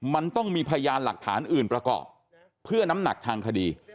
มันต้องมีพยานหลักฐานอื่นประกอบเพื่อน้ำหนักทางคดี